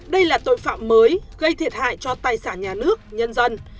đây là tội phạm mới gây thiệt hại cho tài sản nhà nước nhân dân